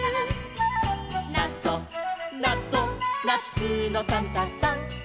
「なぞなぞなつのサンタさん」